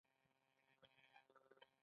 کله چې مامور تورن او ونیول شي.